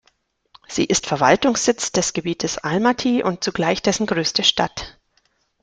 Sie ist Verwaltungssitz des Gebietes Almaty und zugleich dessen größte Stadt.